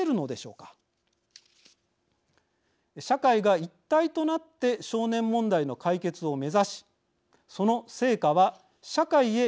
社会が一体となって少年問題の解決を目指しその成果は社会へフィードバックする。